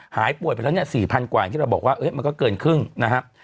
หายป่วยไปแล้วเนี่ย๔๐๐กว่าอย่างที่เราบอกว่ามันก็เกินครึ่งนะครับ